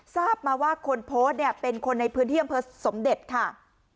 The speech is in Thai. ทราบมาว่าคนโพสต์เนี่ยเป็นคนในพื้นที่อำเภอสมเด็จค่ะ